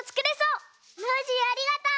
ノージーありがとう。